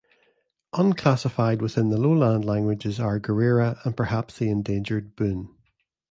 Unclassified within the Lowland languages are Girirra and perhaps the endangered Boon.